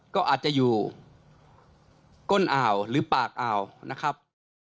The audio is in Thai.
ก็อาจจะอยู่ก้นอ่าวหรือปากอ่าวนะครับ